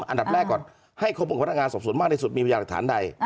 อันดับแรกก่อนให้ครบกับพนักงานสอบสวนมากที่สุดมีพยานหลักฐานใด